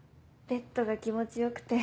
ベッドが気持ち良くて。